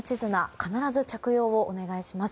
必ず着用をお願いします。